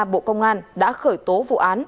bộ công an đã khởi tố vụ án